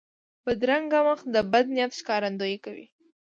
بدرنګه مخ د بد نیت ښکارندویي کوي